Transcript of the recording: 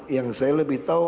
yang saya lebih tahu